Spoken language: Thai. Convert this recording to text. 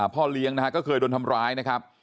พ่อเลี้ยงนะฮะก็เคยโดนทำร้ายนะครับ